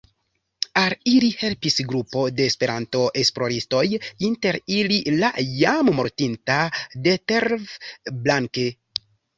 Al ili helpis grupo de Esperanto-esploristoj, inter ili la jam mortinta Detlev Blanke.